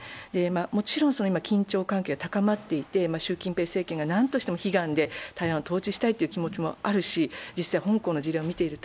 もちろん、今、緊張関係が高まっていて、習近平政権が何とか悲願で台湾を統治したいということもあるし、実際、香港の事例を見ていると